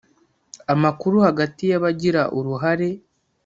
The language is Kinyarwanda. amakuru hagati y’abagira uruhare